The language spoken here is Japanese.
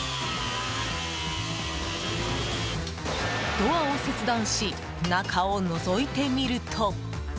ドアを切断し中をのぞいてみると。